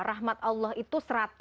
rahmat allah itu seratus